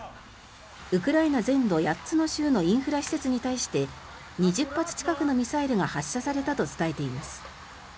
ウクライナ全土８つの州のインフラ施設に対して２０発近くのミサイルが発射されたと伝えています。